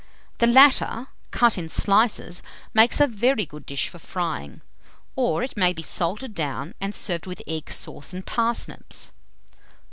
The latter, cut in slices, makes a very good dish for frying; or it may be salted down and served with egg sauce and parsnips.